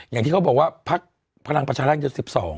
อย่างที่เขาบอกว่าภักดิ์พระรังปัชหรัฐอยู่๑๒